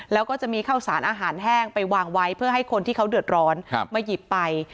แล้วก็จะมีข้าวสารอาหารแห้งไปวางไว้เพื่อให้คนที่เขาเดือดร้อนมาหยิบไป